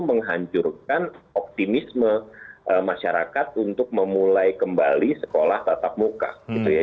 menghancurkan optimisme masyarakat untuk memulai kembali sekolah tatap muka